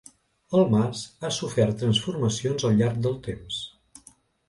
El mas ha sofert transformacions al llarg del temps.